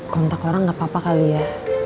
kontak orang gak apa apa kali ya